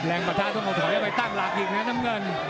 ประทะต้องเอาถอยไปตั้งหลักอีกนะน้ำเงิน